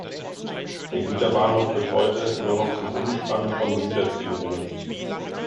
Der Güterbahnhof wird heute nur noch zum Umspannen von Güterzügen genutzt.